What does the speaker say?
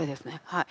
はい。